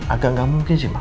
agak gak mungkin sih mah